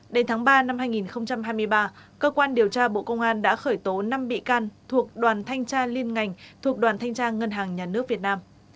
đến tháng ba năm hai nghìn hai mươi ba cơ quan điều tra bộ công an đã khởi tố năm bị can thuộc đoàn thanh tra liên ngành thuộc đoàn thanh tra ngân hàng nhà nước việt nam